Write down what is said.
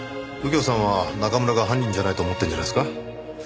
右京さんは中村が犯人じゃないと思ってるんじゃないですか？